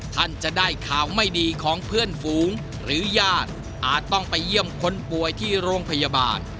ท่านจะได้ข่าวไม่ดีของเพื่อนฝูงหรือญาติอาจต้องไปเยี่ยมคนป่วยที่โรงพยาบาล